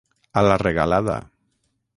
A la regalada.